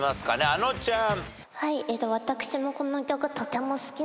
あのちゃん。